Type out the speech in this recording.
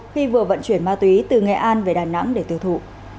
khi vừa vận chuyển ma túy từ nghệ an về đà nẵng để tiêu thụ